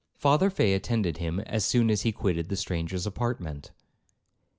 Father Fay attended him as soon as he quitted the stranger's apartment.